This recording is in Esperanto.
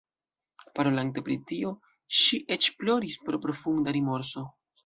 Parolante pri tio, ŝi eĉ ploris pro profunda rimorso.